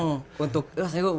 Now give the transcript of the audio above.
ya itu dengar dari siapa